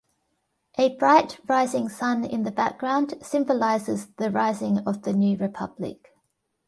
A bright rising sun in the background symbolizes the rising of the new republic.